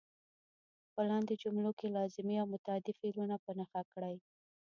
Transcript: په لاندې جملو کې لازمي او متعدي فعلونه په نښه کړئ.